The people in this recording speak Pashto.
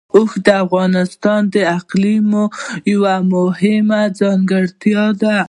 اوښ د افغانستان د اقلیم یوه مهمه ځانګړتیا ده.